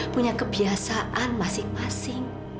punya kebiasaan masing masing